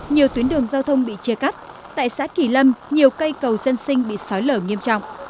nhiều tuyến đường giao thông bị chia cắt tại xã kỳ lâm nhiều cây cầu dân sinh bị sói lở nghiêm trọng